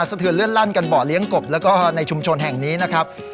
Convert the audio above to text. สะเทือนเลื่อนลั่นกันบ่อเลี้ยงกบแล้วก็ในชุมชนแห่งนี้นะครับ